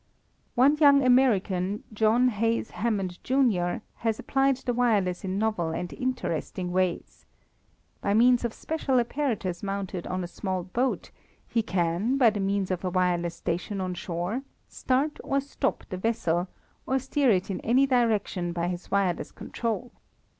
One young American, John Hays Hammond, Jr., has applied the wireless in novel and interesting ways. By means of special apparatus mounted on a small boat he can by the means of a wireless station on shore start or stop the vessel, or steer it in any direction by his wireless control.